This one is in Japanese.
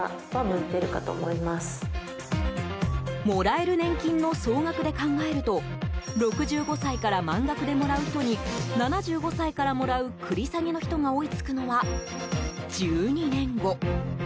もらえる年金の総額で考えると６５歳から満額でもらう人に７５歳からもらう繰り下げの人が追いつくのは、１２年後。